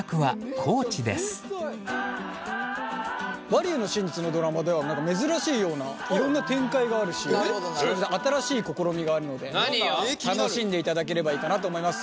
「バリューの真実」のドラマでは珍しいようないろんな展開があるし新しい試みがあるので楽しんでいただければいいかなと思います。